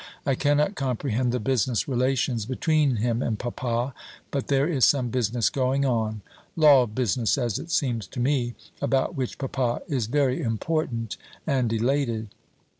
I cannot comprehend the business relations between him and papa; but there is some business going on law business, as it seems to me about which papa is very important and elated.